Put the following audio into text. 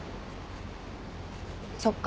そっか。